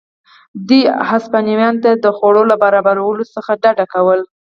دوی هسپانویانو ته د خوړو له برابرولو څخه ډډه کوله.